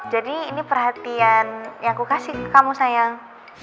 jadi ini perhatian yang aku kasih ke kamu sayang